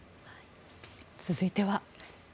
続いては。